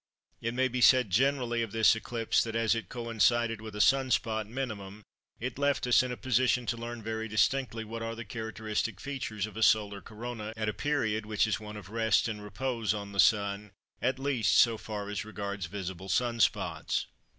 It may be said generally of this eclipse, that as it coincided with a Sun spot minimum, it left us in a position to learn very distinctly what are the characteristic features of a solar Corona at a period which is one of rest and repose on the Sun, at least, so far as regards visible Sun spots.